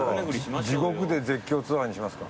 地獄で絶叫ツアーにしますか？